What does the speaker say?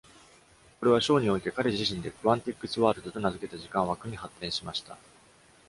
これは、ショーにおいて、彼自身で「Quantick's World」と名付けた時間枠に発展しました。